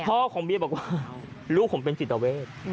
พ่อของเมียบอกว่าลูกผมเป็นจิตเวท